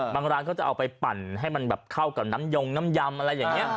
ร้านเขาจะเอาไปปั่นให้มันแบบเข้ากับน้ำยงน้ำยำอะไรอย่างนี้